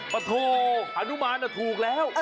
ปะโธผานุมารอะถูกแล้ว